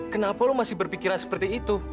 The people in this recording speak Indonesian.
kenapa lu masih berpikiran seperti itu